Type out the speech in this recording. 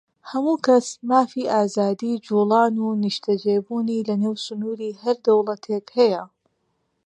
هەموو کەس مافی ئازادیی جووڵان و نیشتەجێبوونی لەنێو سنووری هەر دەوڵەتێک هەیە.